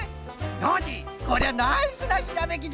ノージーこりゃナイスなひらめきじゃぞ！